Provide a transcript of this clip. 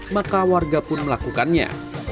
maka warga pun melakukannya